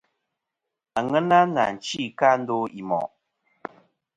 Àŋena nà chi kɨ a ndo i mòʼ.